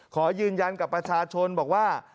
ขอยืนยันกับประชาชนบอกว่า